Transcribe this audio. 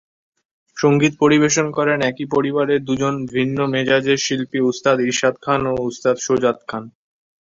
সঙ্গীত পরিবেশন করেন একই পরিবারের দুজন ভিন্ন মেজাজের শিল্পী উস্তাদ ইরশাদ খান ও উস্তাদ সুজাত খান।